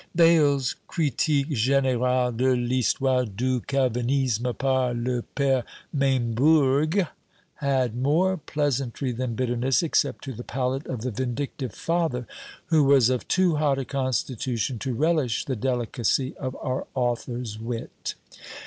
Bayle's "Critique générale de l'Histoire du Calvinisme par le PÃẀre Maimbourg," had more pleasantry than bitterness, except to the palate of the vindictive Father, who was of too hot a constitution to relish the delicacy of our author's wit.